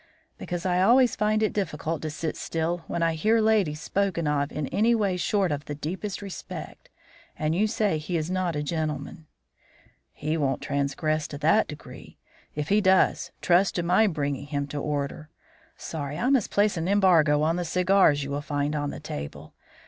"Because I always find it difficult to sit still when I hear ladies spoken of in any way short of the deepest respect; and you say he is not a gentleman." "He won't transgress to that degree. If he does, trust to my bringing him to order. Sorry I must place an embargo on the cigars you will find on the table.